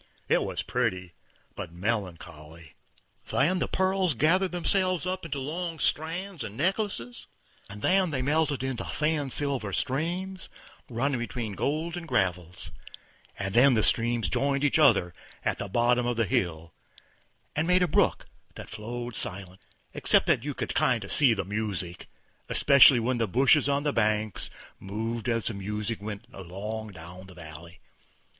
It was pretty, but melancholy. Then the pearls gathered themselves into long strands and necklaces, and then they melted into thin silver streams, running between golden gravels, and then the streams joined each other at the bottom of the hill, and made a brook that flowed silent, except that you could kinder see the music, especially when the bushes on the banks moved as the music went along down the valley.